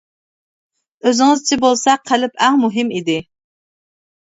ئۆزىڭىزچە بولسا قەلب ئەڭ مۇھىم ئىدى.